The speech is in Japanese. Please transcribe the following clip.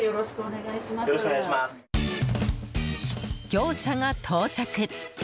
業者が到着。